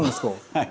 はい。